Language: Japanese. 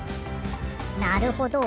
なるほど。